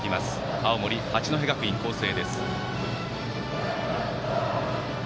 青森・八戸学院光星。